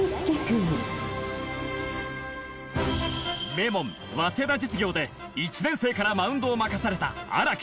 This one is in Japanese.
名門早稲田実業で１年生からマウンドを任された荒木。